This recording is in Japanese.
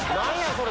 それ！